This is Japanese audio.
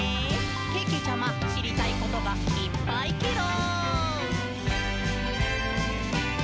けけちゃま、しりたいことがいっぱいケロ！」